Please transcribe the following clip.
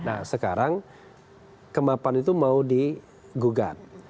nah sekarang kemapan itu mau digugat